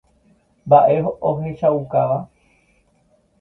Mba'e ohechaukáva.